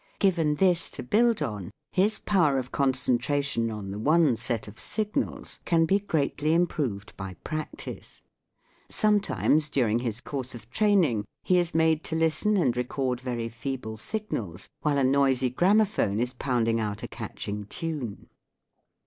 Given this to build on, his power of concentration on the one set of signals can be greatly improved by practice. Sometimes, during his course of training, he is SOUNDS OF THE SEA 143 made to listen and record very feeble signals while a noisy gramophone is pounding out a catching tune.